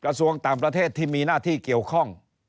กระทรวงต่างประเทศที่มีหน้าที่เกี่ยวข้อง